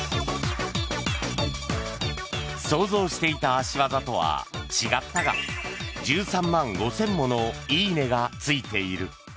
想像していた足技とは違ったが１３万５０００もの「いいね」がついている。